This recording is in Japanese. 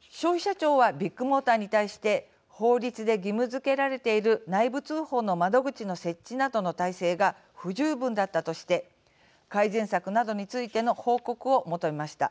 消費者庁はビッグモーターに対して法律で義務づけられている内部通報の窓口の設置などの体制が不十分だったとして改善策などについての報告を求めました。